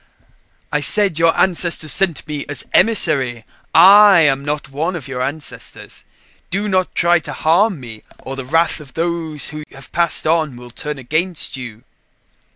"I said your ancestors sent me as emissary I am not one of your ancestors. Do not try to harm me or the wrath of those who have Passed On will turn against you."